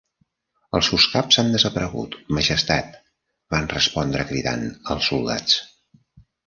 'Els seus caps han desaparegut, Majestat!', van respondre cridant els soldats.